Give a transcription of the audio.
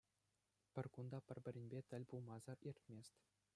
Пӗр кун та пӗр-пӗринпе тӗл пулмасӑр иртмест.